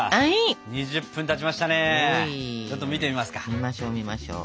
見ましょう見ましょう。